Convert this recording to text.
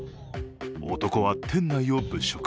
男は店内を物色。